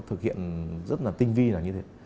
thực hiện rất là tinh vi là như thế